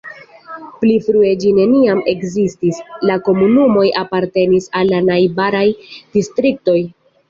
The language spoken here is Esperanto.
Pli frue ĝi neniam ekzistis, la komunumoj apartenis al la najbaraj distriktoj.